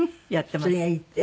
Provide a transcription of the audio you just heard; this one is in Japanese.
それがいいって？